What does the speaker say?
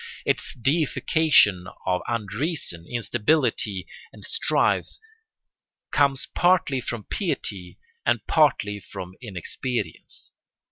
Its deification of unreason, instability, and strife comes partly from piety and partly from inexperience.